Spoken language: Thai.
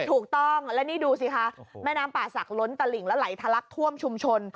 ถูกต้องและนี่ดูสิคะแม่น้ำป่าศักดิล้นตะหลิ่งแล้วไหลทะลักท่วมชุมชน